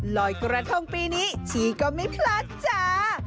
ลอยกระทงปีนี้ชีก็ไม่พลาดจ้า